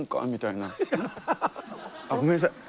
うん？あっごめんなさい。